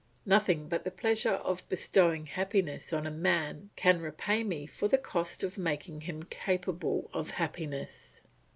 Nothing but the pleasure of bestowing happiness on a man can repay me for the cost of making him capable of happiness.